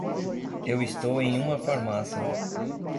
Eu estou em uma farmácia.